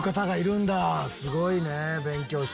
すごいね勉強して。